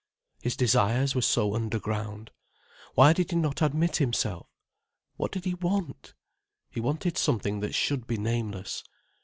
His desires were so underground. Why did he not admit himself? What did he want? He wanted something that should be nameless.